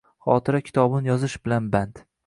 Xotira kitobin yozish bilan band